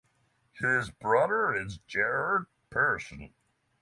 His brother is Gerhardt Pearson.